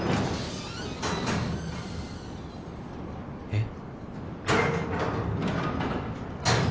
えっ？